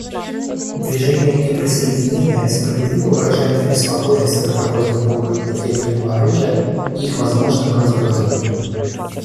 Движение неприсоединения справедливо выражает обеспокоенность разработкой новых видов ядерного оружия и их возможным развертыванием.